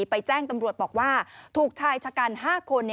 แจ้งตำรวจบอกว่าถูกชายชะกัน๕คน